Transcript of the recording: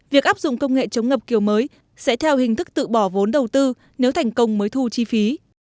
việc áp dụng công nghệ chống ngập kiểu mới sẽ theo hình thức tự bỏ vốn đầu tư nếu thành công mới thu chi phí